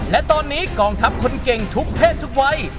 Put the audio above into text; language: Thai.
และตอนนี้กองทัพคนเก่งทุกเพศทุกวัย